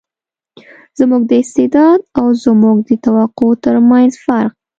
زموږ د استعداد او زموږ د توقع تر منځ فرق.